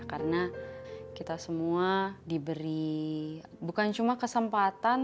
karena kita semua diberi bukan cuma kesempatan